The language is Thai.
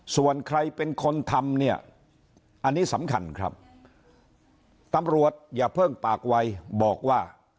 ส่วนใครเป็นคนทำเนี่ยอันนี้สำคัญครับตำรวจอย่าเพิ่งปากวัยบอกว่า